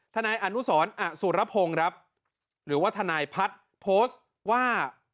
นายอนุสรอสุรพงศ์ครับหรือว่าทนายพัฒน์โพสต์ว่า